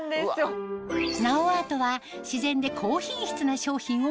ナオアートは自然で高品質な商品を目指し